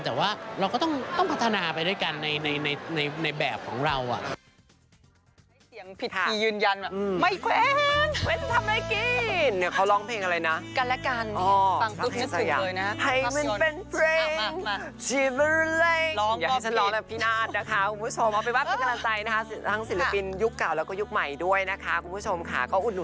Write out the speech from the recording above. แต่ว่าเราก็ต้องพัฒนาไปด้วยกันในแบบของเรา